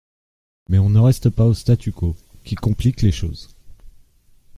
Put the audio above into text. Mais on n’en reste pas au statu quo qui complique les choses.